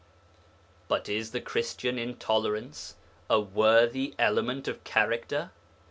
But is the Christian intolerance a worthy element of character?